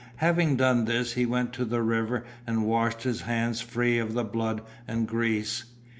Having done this he went to the river and washed his hands free of the blood and grease.